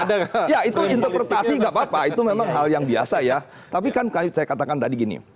ya itu interpretasi gak apa apa itu memang hal yang biasa ya tapi kan saya katakan tadi gini